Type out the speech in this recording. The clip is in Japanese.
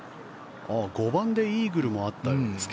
５番でイーグルもあったようですが。